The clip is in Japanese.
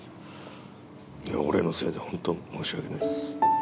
いや俺のせいでほんと申し訳ないです。